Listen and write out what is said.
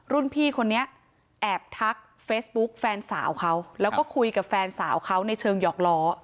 รุ่นพี่คนนี้แอบทักเฟซบุ๊กแฟนสาวเขาแล้วก็คุยกับแฟนสาวเขาในเชิงหยอกล้อ